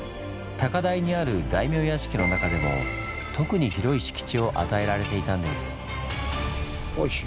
高台にある大名屋敷の中でも特に広い敷地を与えられていたんです。